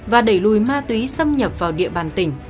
và đẩy lùi ma túy xâm nhập vào địa bàn tỉnh